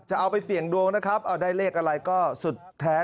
เอาไปเสี่ยงดวงนะครับเอาได้เลขอะไรก็สุดแท้